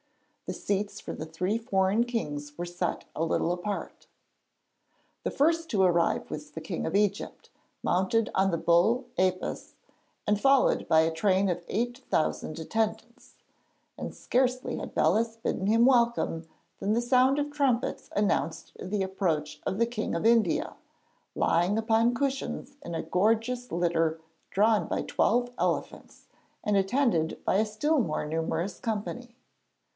The seats for the three foreign kings were set a little apart. The first to arrive was the King of Egypt, mounted on the bull Apis and followed by a train of eight thousand attendants; and scarcely had Belus bidden him welcome than the sound of trumpets announced the approach of the King of India, lying upon cushions in a gorgeous litter drawn by twelve elephants, and attended by a still more numerous company.